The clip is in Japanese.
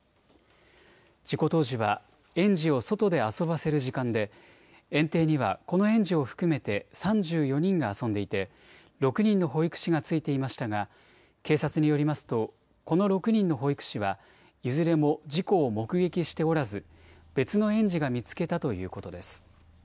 事故当時は、園児を外で遊ばせる時間で、園庭にはこの園児を含めて３４人が遊んでいて、６人の保育士がついていましたが、警察によりますと、この６人の保育士は、いずれも事故を目撃しておらず、別の園児が見つけたということです。